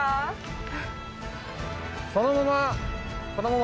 そのまま。